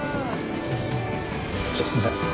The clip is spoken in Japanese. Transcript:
ちょっとすみません。